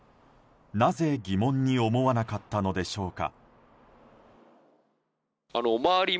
なぜ、疑問に思わなかったのでしょうか。